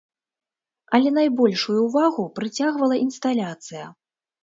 Але найбольшую ўвагу прыцягвала інсталяцыя.